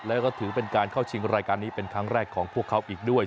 แล้วก็ถือเป็นการเข้าชิงรายการนี้เป็นครั้งแรกของพวกเขาอีกด้วย